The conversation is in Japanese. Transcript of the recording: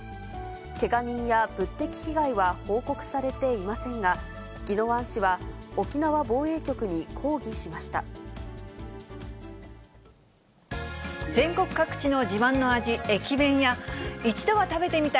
けが人や物的被害は報告されていませんが、宜野湾市は沖縄防衛局に抗議しました。